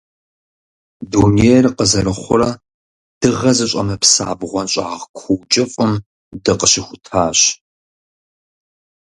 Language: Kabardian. Дунейр къызэрыхъурэ дыгъэ зыщӀэмыпса бгъуэнщӀагъ куу кӀыфӀым дыкъыщыхутащ.